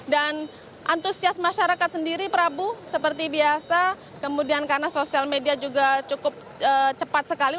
dan antusias masyarakat sendiri prabu seperti biasa kemudian karena sosial media juga cukup cepat sekali